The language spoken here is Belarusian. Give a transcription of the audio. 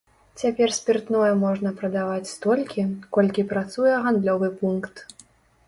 Цяпер спіртное можна прадаваць столькі, колькі працуе гандлёвы пункт.